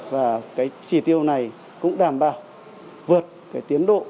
và cái chỉ tiêu này cũng đảm bảo vượt cái tiến độ